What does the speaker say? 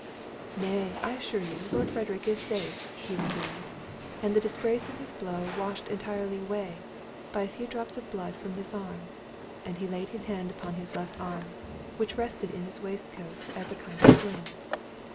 "Nay, I assure you Lord Frederick is safe," he resumed, "and the disgrace of his blow washed entirely away, by a few drops of blood from this arm." And he laid his hand upon his left arm, which rested in his waistcoat as a kind of sling.